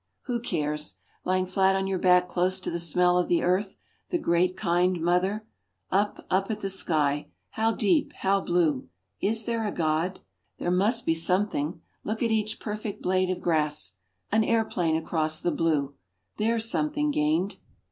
Who cares. Lying flat on your back close to the smell of the earth, the great kind mother. Up, up at the sky, how deep, how blue. Is there a God? There must be Something; look at each perfect blade of grass. An airplane across the blue. There's something gained.